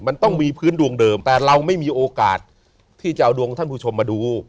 มันต้องมีพื้นดวงเดิมแต่เราไม่มีโอกาสที่จะเอาดวงท่านผู้ชมมาดู